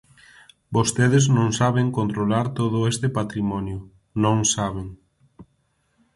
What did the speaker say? Vostedes non saben controlar todo este patrimonio, non saben.